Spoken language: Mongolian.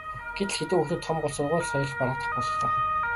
гэтэл хэдэн хүүхдүүд том болж сургууль соёл бараадах боллоо.